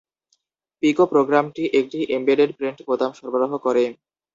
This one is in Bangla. পিকো প্রোগ্রামটি একটি এমবেডেড প্রিন্ট বোতাম সরবরাহ করে।